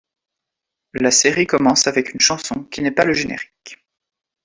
La série commence avec une chanson qui n'est pas le générique.